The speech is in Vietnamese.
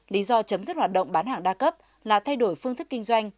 lý do chấm dứt hoạt động bán hàng đa cấp là thay đổi phương thức kinh doanh